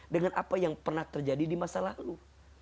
dengan apa yang pernah terjadi di masa lalu